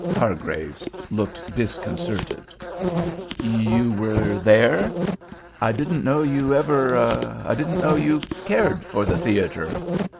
Hargraves looked disconcerted. "You were there? I didn't know you ever—I didn't know you cared for the theater.